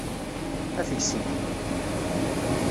Afeg ssya!